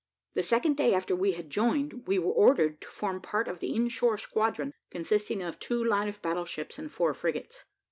The second day after we had joined, we were ordered to form part of the in shore squadron, consisting of two line of battle ships and four frigates.